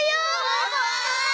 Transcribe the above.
すごーい！